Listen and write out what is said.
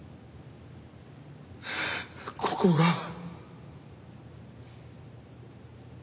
ここが。